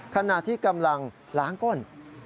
ขณะที่กำลังล้างก้น